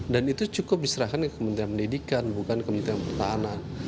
dan itu cukup diserahkan ke kementerian pendidikan bukan kementerian pertahanan